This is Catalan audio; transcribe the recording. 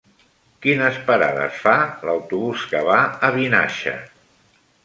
Quines parades fa l'autobús que va a Vinaixa?